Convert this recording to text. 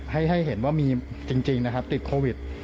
ให้เห็นว่ามีจริงติดโควิด